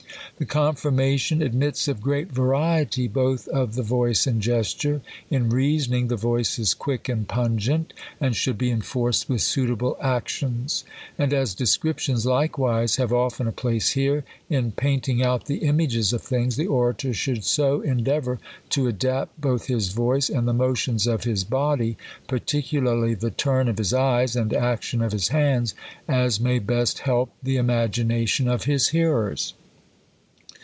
The confirmation admits of great variety both of the voice and gesture. In reasoning, the voice is quick and pungent, and should be enforced with suitable ac tions. And as descriptions likewise have often a place here, in painting out the images of things, the orator should so endeavour to adapt both his voice, and the motions of his body, particularly the turn of his eyes, and action of his hands, as may best help the imagina tion of his hearers.